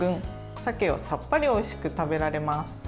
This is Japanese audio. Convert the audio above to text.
鮭をさっぱりおいしく食べられます。